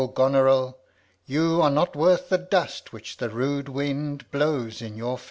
O Goneril, You are not worth the dust which the rude wind Blows in your face!